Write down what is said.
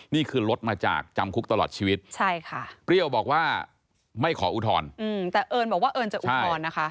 นี่คือลดมาจากจำคุกตลอดชีวิตใช่ค่ะเปรี้ยวบอกว่าไม่ขออุทธรณ์แต่เอิญบอกว่าเอิญจะอุทธรณ์นะคะ